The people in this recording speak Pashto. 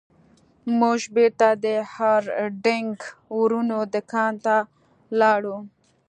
موږ بیرته د هارډینګ ورونو دکان ته لاړو.